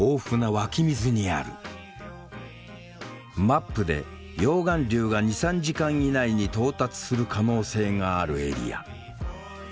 マップで溶岩流が２３時間以内に到達する可能性があるエリア。